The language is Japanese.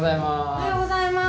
おはようございます。